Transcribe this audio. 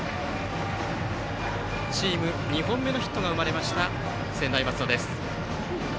チーム２本目のヒットが生まれました、専大松戸。